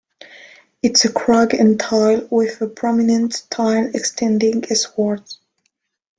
It is a crag and tail with a prominent tail extending eastwards.